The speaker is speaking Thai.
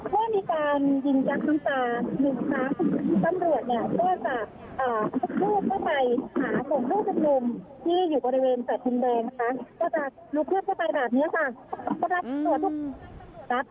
กลุ่มชุมลุมที่อยู่บริเวณแสดงแดงและบัฏจัยรุ่นเทียบมากอย่างนี้ครับ